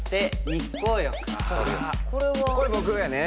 これ僕やね。